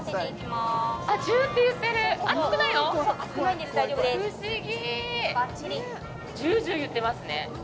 ジュージュー言ってますね